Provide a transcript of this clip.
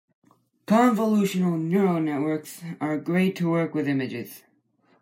Convolutional Neural Networks are great to work with images.